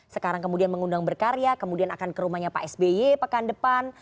sekarang kemudian mengundang berkarya kemudian akan ke rumahnya pak sby pekan depan